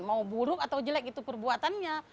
mau buruk atau jelek itu perbuatannya